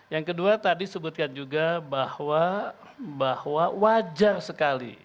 yang kedua tadi sebutkan juga bahwa wajar sekali